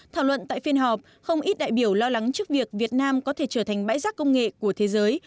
thảo luận tại phiên họp không ít đại biểu lo lắng trước việc việt nam có thể trở thành bãi rác công nghệ của thế giới